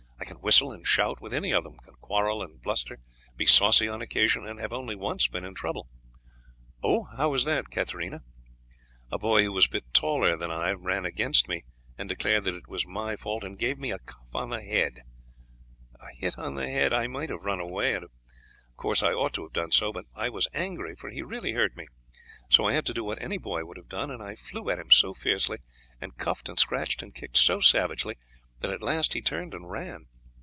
I can whistle and shout with any of them, can quarrel, and bluster, be saucy on occasion, and have only once been in trouble." "How was that, Katarina?" "A boy who was a bit taller than I ran against me and declared that it was my fault, and gave me a cuff on the head. I might have run away, and of course I ought to have done so, but I was angry, for he really hurt me; so I had to do what any boy would have done, and I flew at him so fiercely, and cuffed and scratched and kicked so savagely that at last he turned and ran.